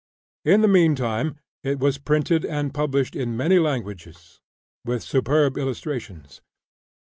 In the meantime, it was printed and published in many languages, with superb illustrations.